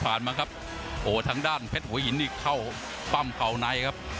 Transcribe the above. มาครับโหทางด้านเพชรหัวหินนี่เข้าปั้มเข้าในครับ